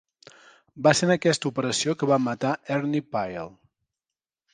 Va ser en aquesta operació que van matar Ernie Pyle.